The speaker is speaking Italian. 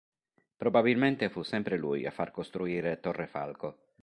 Probabilmente fu sempre lui a far costruire Torre Falco.